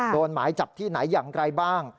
หมายจับที่ไหนอย่างไรบ้าง